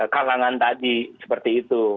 kalangan tadi seperti itu